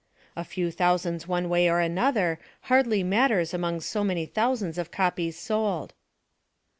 A few thousands one way or another hardly matters among so many thousands of copies sold!